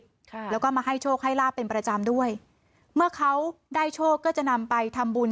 ค่ะแล้วก็มาให้โชคให้ลาบเป็นประจำด้วยเมื่อเขาได้โชคก็จะนำไปทำบุญ